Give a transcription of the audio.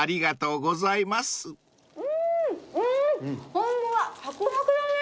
ホントだサクサクだね。